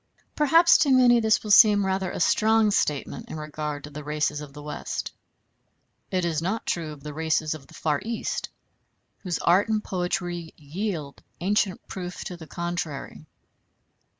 Perhaps to many this will seem rather a strong statement in regard to the races of the West; it is not true of the races of the Far East, whose art and poetry yield ancient proof to the contrary.